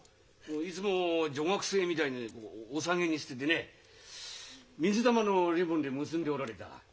いつも女学生みたいにおさげにしててね水玉のリボンで結んでおられた。